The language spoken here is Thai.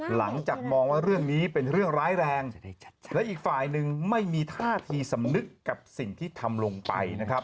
หลังจากมองว่าเรื่องนี้เป็นเรื่องร้ายแรงและอีกฝ่ายหนึ่งไม่มีท่าทีสำนึกกับสิ่งที่ทำลงไปนะครับ